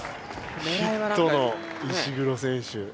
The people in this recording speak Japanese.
ヒットの石黒選手。